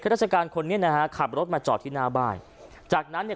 ราชการคนนี้นะฮะขับรถมาจอดที่หน้าบ้านจากนั้นเนี่ย